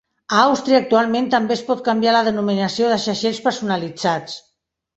A Àustria, actualment també es pot canviar la denominació de segells personalitzats.